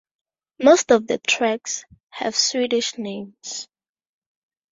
Most of the tracks have Swedish names.